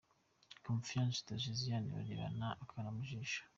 Confiance na Josiane barebana akana mu jisho.